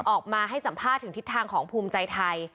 ออกมาให้สัมภาษณ์ถึงทิศทางของภูมิใจไทย